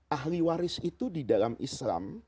ahli waris itu di dalam islam